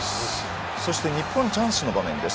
日本チャンスの場面です。